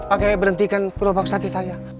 oke berhentikan kerobak sate saya